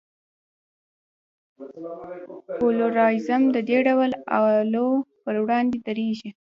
پلورالېزم د دې ډول اعلو پر وړاندې درېږي.